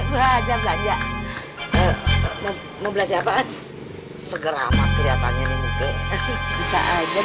belajar belajar mau belajar apaan segera kelihatannya bisa aja